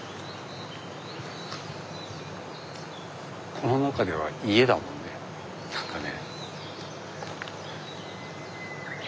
この中では家だもんね何かね。